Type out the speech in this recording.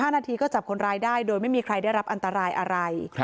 ๕นาทีก็จับคนร้ายได้โดยไม่มีใครได้รับอันตรายอะไร